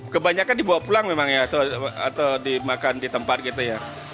kebanyakan dibawa pulang memang ya atau dimakan di tempat gitu ya